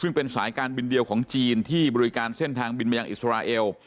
ซึ่งเป็นสายการบินเดียวของจีนที่บริการเส้นทางบินมายังอิสราเอล